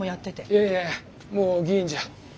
いやいやもう議員じゃ。